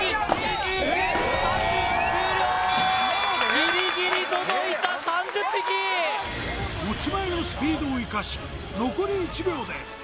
ギリギリ届いた３０匹持ち前のスピードを生かし残り１秒でっす